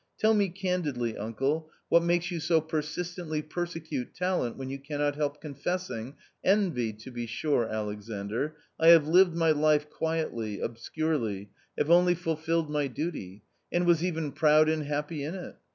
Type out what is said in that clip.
Tell me candidly, uncle, what makes you so persistently persecute talent when you cannot help confessing "" Envy, to be sure, Alexandr. I have lived my life quietly, obscurely, have only fulfilled my duty, and was even proud and happy in it.